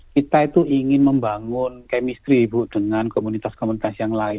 kita itu ingin membangun chemistry bu dengan komunitas komunitas yang lain